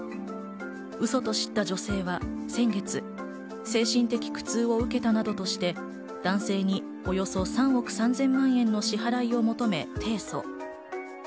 ウソと知った女性は先月、精神的苦痛を受けたなどとして男性におよそ３億３０００万円の支払いを求め提訴。